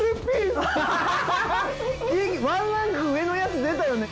ワンランク上のやつ出たよね。